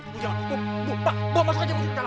bu jangan bu bu pak bawa masuk aja putri ke dalam